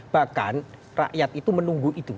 bahkan rakyat itu menunggu itu